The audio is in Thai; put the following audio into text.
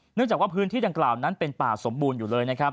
เนื่องจากว่าพื้นที่ดังกล่าวนั้นเป็นป่าสมบูรณ์อยู่เลยนะครับ